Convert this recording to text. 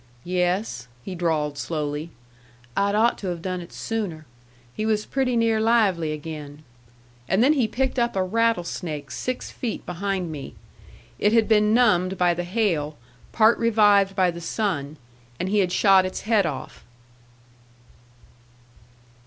"Yes," he drawled slowly, "I'd ought to have done it sooner. He was pretty near lively again." And then he picked up a rattlesnake six feet behind me. It had been numbed by the hail, part revived by the sun, and he had shot its head off.